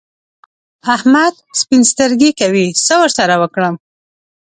احمد سپين سترګي کوي؛ څه ور سره وکړم؟!